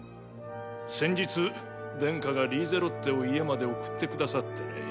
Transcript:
先日殿下がリーゼロッテを家まで送ってくださってね。